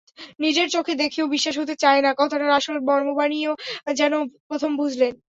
নিজের চোখে দেখেও বিশ্বাস হতে চায় না—কথাটার আসল মর্মবাণীও যেন প্রথম বুঝলেন।